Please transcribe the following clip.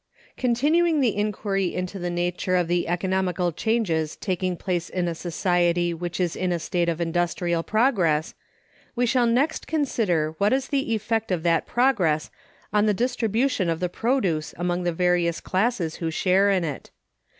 Continuing the inquiry into the nature of the economical changes taking place in a society which is in a state of industrial progress, we shall next consider what is the effect of that progress on the distribution of the produce among the various classes who share in it.